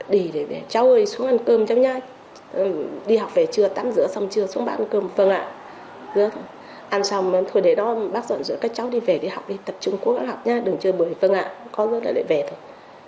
đi để về cháu ơi xuống ăn cơm cháu nha đi học về trưa tắm rửa xong trưa xuống bà ăn cơm vâng ạ rửa thôi ăn xong thôi để đó bác dọn rửa các cháu đi về đi học đi tập trung cố gắng học nha đừng chơi bưởi vâng ạ con rơi lại để về thôi